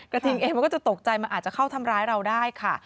ทิงเองมันก็จะตกใจมันอาจจะเข้าทำร้ายเราได้ค่ะ